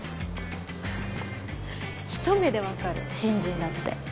ひと目で分かる新人だって。